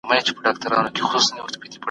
مازدیګری دی سوال قبلیږي